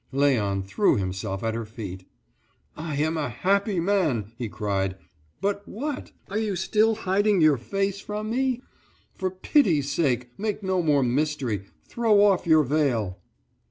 Léon threw himself at her feet. "I am a happy man!" he cried. "But what? Are you still hiding your face from me? For pity's sake make no more mystery; throw off your veil."